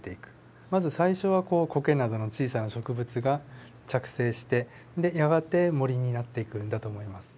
まず最初はこうコケなどの小さな植物が着生してやがて森になっていくんだと思います。